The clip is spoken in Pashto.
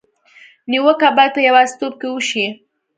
نیوکه باید په یوازېتوب کې وشي.